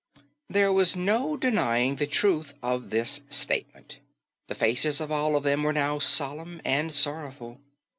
There was no denying the truth of this statement. The faces of all of them were now solemn and sorrowful.